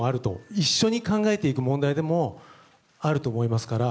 一緒に考えていく問題でもあると思いますから。